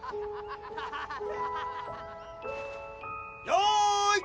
よい。